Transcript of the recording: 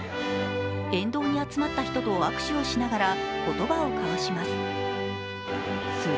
沿道に集まった人と握手をしながら言葉を交わします。